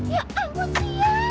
ya ampun sih ya